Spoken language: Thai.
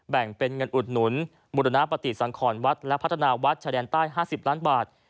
แบ่งเป็นเงินอุดหนุนบุรณปฏิสังขรวัดและพัฒนาวัดชายแดนใต้๕๐ล้านบาท